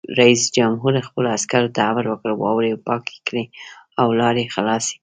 رئیس جمهور خپلو عسکرو ته امر وکړ؛ واورې پاکې کړئ او لارې خلاصې کړئ!